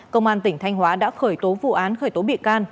công an tỉnh thanh hóa đã khởi tố vụ án khởi tố bị can